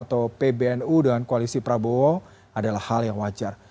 atau pbnu dengan koalisi prabowo adalah hal yang wajar